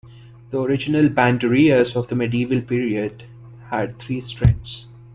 The original bandurrias of the Medieval period had three strings.